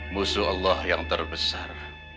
musuh allah yang terbesar